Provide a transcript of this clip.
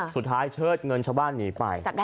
สุดท้ายเชิดเงินชาวบ้านหนีไป